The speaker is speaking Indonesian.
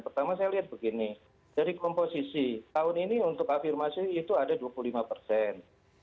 pertama saya lihat begini dari komposisi tahun ini untuk afirmasi itu ada dua puluh lima persen